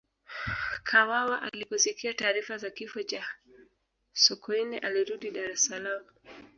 kawawa aliposikia taarifa za kifo cha sokoine alirudi dar es Salaam